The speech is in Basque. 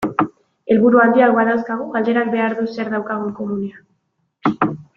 Helburu handiak badauzkagu, galderak behar du zer daukagun komunean.